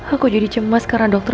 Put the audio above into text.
aku jadi cemas karena dokter